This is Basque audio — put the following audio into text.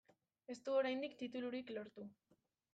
Ez du oraindik titulurik lortu.